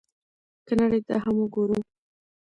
که نړۍ ته هم وګورو،